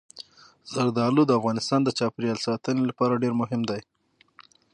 زردالو د افغانستان د چاپیریال ساتنې لپاره ډېر مهم دي.